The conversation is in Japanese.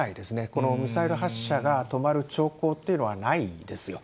このミサイル発射が止まる兆候というのはないですよ。